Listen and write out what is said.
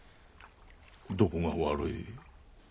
どこが悪い？